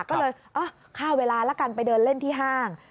ก็เลยฆ่าเวลาแล้วกันไปเดินเล่นที่ห้าง